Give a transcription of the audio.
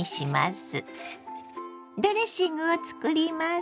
ドレッシングを作ります。